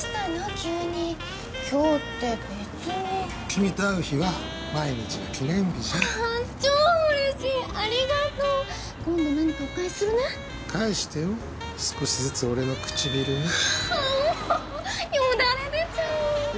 急に今日って別に君と会う日は毎日が記念日じゃん超うれしいありがとう今度何かお返しするね返してよ少しずつ俺の唇にもうよだれ出ちゃうよ